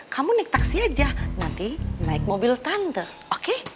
kamu nik taksi aja nanti naik mobil tante oke